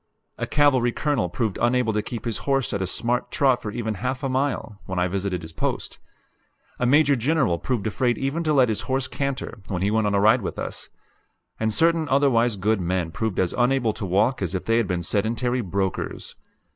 A cavalry colonel proved unable to keep his horse at a smart trot for even half a mile, when I visited his post; a Major General proved afraid even to let his horse canter, when he went on a ride with us; and certain otherwise good men proved as unable to walk as if they had been sedentary brokers.